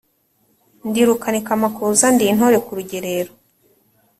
Ndi Rukanikamakuza ndi intore kurugerero